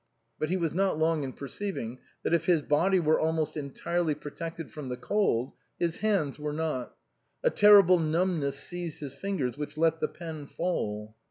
But he was not long in perceiving that if his body was almost entirely protected from the cold, his hands were not; a terrible numbness seized his fingers which let the pen fall.